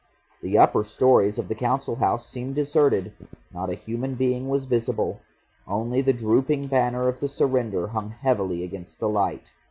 The upper storeys of the Council House seemed deserted, not a human being was visible. Only the drooping banner of the surrender hung heavily against the light.